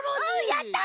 やった！